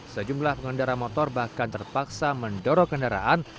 sejumlah pengendara motor bahkan terpaksa mendorong kendaraan